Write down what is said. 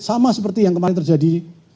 sama seperti yang kemarin terjadi